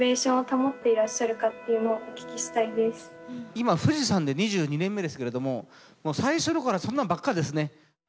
今富士山で２２年目ですけれどももう最初の頃はそんなんばっかですね。